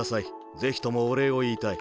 ぜひともおれいをいいたい。